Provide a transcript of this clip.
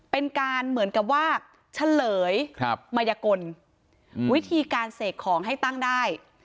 เป็นการเหมือนกับว่าเฉลยมายกลวิธีการเสกของให้ตั้งได้